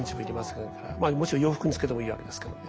もちろん洋服につけてもいいわけですけども。